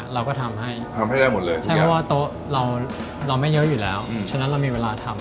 เราก็ถำให้ตู้เราไม่เยอะอยู่แล้วฉะนั้นเรามีเวลาทำ